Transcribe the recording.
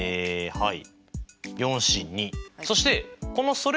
はい。